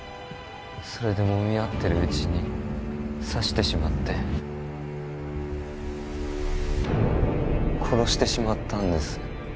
それでもみ合ってるうちに刺してしまって殺してしまったんです